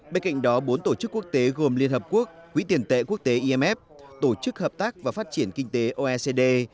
bên cạnh đó bốn tổ chức quốc tế gồm liên hợp quốc quỹ tiền tệ quốc tế imf tổ chức hợp tác và phát triển kinh tế oecd